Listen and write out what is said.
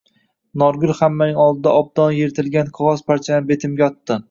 Norgul hammaning oldida obdon yertilgan qog’oz parchalarini betimga otdi.